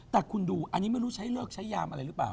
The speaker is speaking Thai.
แต่คุณดูอันนี้ไม่รู้ใช้เลิกใช้ยามอะไรหรือเปล่า